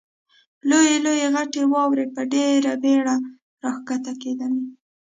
لویې لویې غټې واورې په ډېره بېړه را کښته کېدلې.